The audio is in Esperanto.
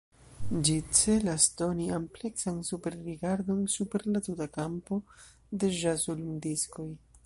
Ĝi celas doni ampleksan superrigardon super la tuta kampo de ĵazo-lumdiskoj.